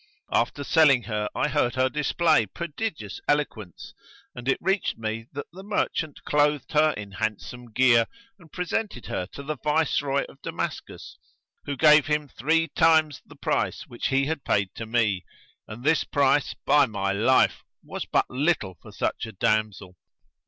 After selling her I heard her display prodigious eloquence; and it reached me that the merchant clothed her in handsome gear and presented her to the Viceroy of Damascus, who gave him three times the price which he had paid to me, and this price, by my life! was but little for such a damsel.